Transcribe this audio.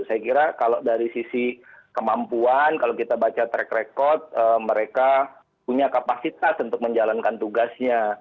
saya kira kalau dari sisi kemampuan kalau kita baca track record mereka punya kapasitas untuk menjalankan tugasnya